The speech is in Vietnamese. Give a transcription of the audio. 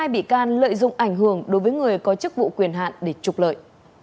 hai bị can lợi dụng ảnh hưởng đối với người có chức vụ quyền hạn để trục lợi